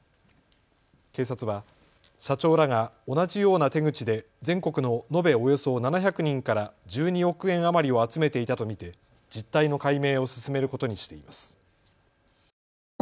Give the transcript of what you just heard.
警察は社長らが同じような手口で全国の延べおよそ７００人から１２億円余りを集めていたと見て実態の解明を進めることにしています。